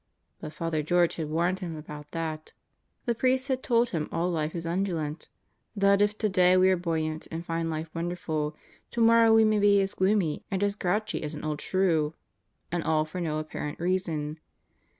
But Father George had warned him about that. The priest had told him all life is undulant; that if today we are buoyant and find life ^wonderful, tomorrow we may be as gloomy and as yrouchy as an old shrew and all for no apparent reason.